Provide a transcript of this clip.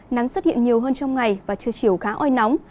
nắng xuất hiện nhiều hơn trong ngày và trưa chiều khá oi nóng